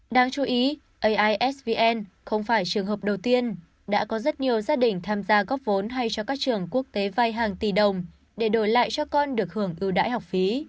đáng chú ý aisvn không phải trường hợp đầu tiên đã có rất nhiều gia đình tham gia góp vốn hay cho các trường quốc tế vay hàng tỷ đồng để đổi lại cho con được hưởng ưu đãi học phí